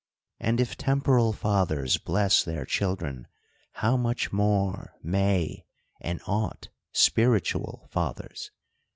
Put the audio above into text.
And if temporal fathers bless their children, how much more may, and ought, spiritual fathers